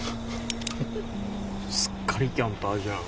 すっかりキャンパーじゃん。